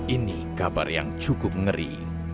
ini kabar yang cukup ngeri